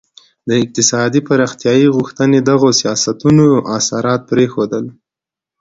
د اقتصادي پراختیايي غوښتنې دغو سیاستونو اثرات پرېښودل.